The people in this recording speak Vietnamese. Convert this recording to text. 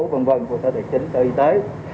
v v của sở tiền chính của y tế